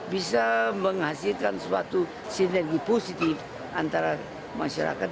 bisa menghasilkan suatu sinergi positif antara masyarakat